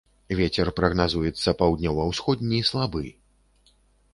Вецер прагназуецца паўднёва-ўсходні слабы.